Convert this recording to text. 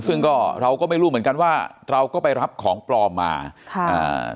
ซึ่งก็เราก็ไม่รู้เหมือนกันว่าเราก็ไปรับของปลอมมาค่ะอ่า